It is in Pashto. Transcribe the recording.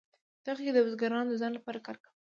په دې وخت کې بزګرانو د ځان لپاره کار کاوه.